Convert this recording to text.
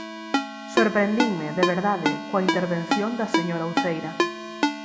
Sorprendinme, de verdade, coa intervención da señora Uceira.